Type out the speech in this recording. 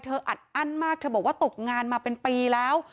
อัดอั้นมากเธอบอกว่าตกงานมาเป็นปีแล้ว